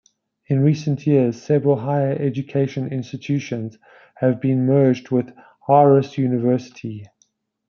In recent years, several higher education institutions have been merged with Aarhus University.